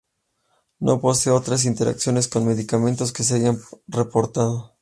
No posee otras interacciones con medicamentos que se hayan reportado.